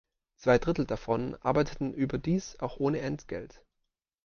Zwei Drittel davon arbeiteten überdies auch ohne Entgelt.